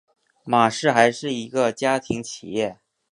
玛氏还是一个家庭企业。